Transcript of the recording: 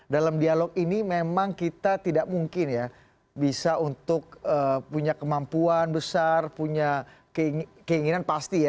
dalam dialog ini memang kita tidak mungkin ya bisa untuk punya kemampuan besar punya keinginan pasti ya